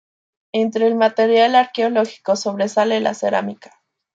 Entre el material arqueológico sobresale la cerámica.